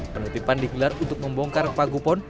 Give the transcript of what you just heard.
penutupan digelar untuk membongkar pagupon